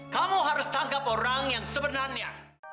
kamu harus tangkap orang yang sebenarnya